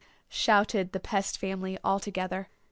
shouted the Pest family altogether.